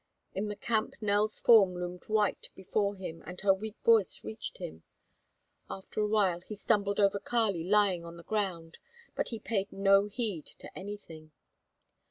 In the camp Nell's form loomed white before him and her weak voice reached him: after a while he stumbled over Kali lying on the ground, but he paid no heed to anything.